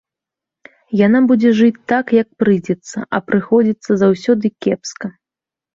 Яна будзе жыць так, як прыйдзецца, а прыходзіцца заўсёды кепска.